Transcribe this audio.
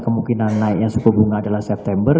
kemungkinan naiknya suku bunga adalah september